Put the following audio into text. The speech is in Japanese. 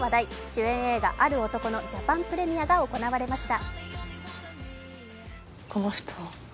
主演映画「ある男」のジャパンプレミアが行われました。